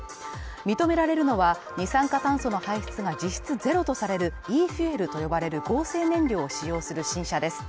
認められるのは、二酸化炭素の排出が実質ゼロとされるｅ−ｆｕｅｌと呼ばれる合成燃料を使用する新車です。